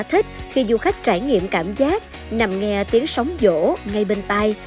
thích khi du khách trải nghiệm cảm giác nằm nghe tiếng sóng vỗ ngay bên tay